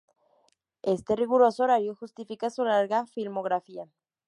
Este riguroso horario justifica su larga filmografía.